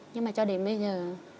nhưng mà cho đến bây giờ